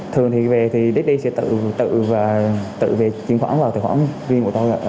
thường thì về thì daddy sẽ tự về chuyển khoản vào tài khoản viên của tôi